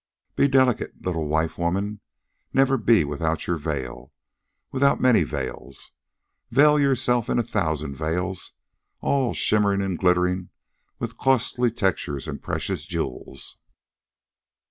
"Be delicate, little wife woman. Never be without your veil, without many veils. Veil yourself in a thousand veils, all shimmering and glittering with costly textures and precious jewels.